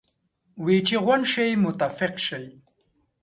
وې چې غونډ شئ متفق شئ.